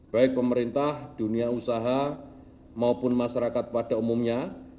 baik pemerintah dunia usaha maupun masyarakat pada umumnya